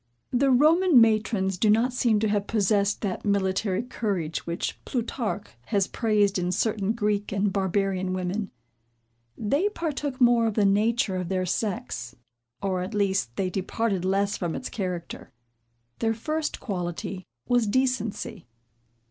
The Roman matrons do not seem to have possessed that military courage which Plutarch has praised in certain Greek and barbarian women; they partook more of the nature of their sex; or, at least, they departed less from its character. Their first quality was decency.